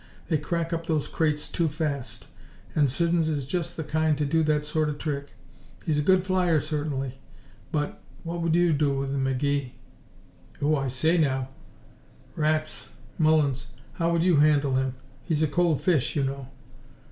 They crack up those crates too fast. And Siddons is just the kind to do that sort of trick. He's a good flyer, certainly, but what would you do with him, McGee?" "Oh, I say now " "Rats! Mullins, how would you handle him? He's a cold fish, you know."